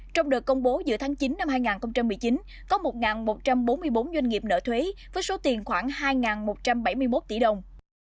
trong đợt công bố giữa tháng chín năm hai nghìn một mươi chín có một một trăm bốn mươi bốn doanh nghiệp nợ thuế với số tiền khoảng hai một trăm bảy mươi một tỷ đồng